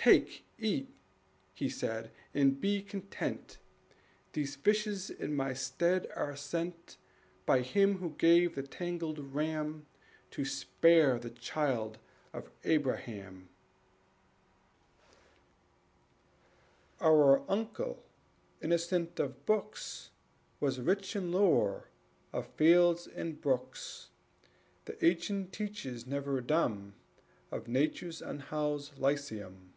"Take, eat," he said, "and be content; These fishes in my stead are sent By Him who gave the tangled ram To spare the child of Abraham." Our uncle, innocent of books, Was rich in lore of fields and brooks, The ancient teachers never dumb Of Nature's unhoused lyceum.